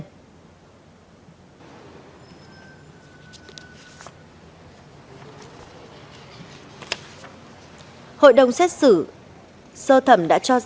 hội đồng xét xử sơ thẩm đã cho rằng hành vi của trần văn sĩ và đặng thị hàn ni đã phạm vào tội lợi dụng các quyền tự do dân chủ xâm phạm lợi ích của nhà nước